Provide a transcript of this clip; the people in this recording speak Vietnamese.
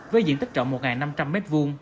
với diện tích rộng một năm trăm linh m hai